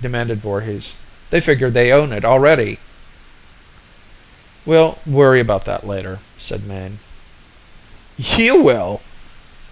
demanded Voorhis. "They figure they own it already." "We'll worry about that later," said Mayne. "You will!"